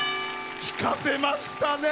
聴かせましたね。